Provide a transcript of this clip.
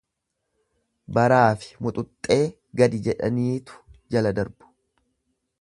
Baraafi muxuxxee gadi jedhaniitu jala darbu.